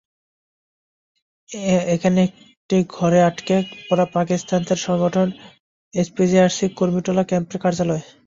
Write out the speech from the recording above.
এখানে একটি ঘরে আটকে পড়া পাকিস্তানিদের সংগঠন এসপিজিআরসির কুর্মিটোলা ক্যাম্পের কার্যালয়।